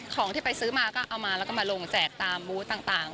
ของที่ไปซื้อมาก็เอามาแล้วก็มาลงแจกตามบูธต่าง